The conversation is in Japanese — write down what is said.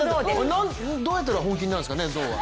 どうやったら本気になるんですかね、象は。